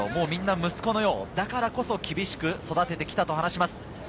みんな息子のよう、だからこそ厳しく育ててきたと話します。